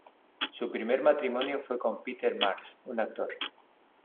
Su primer matrimonio fue con Peter Marsh, un actor.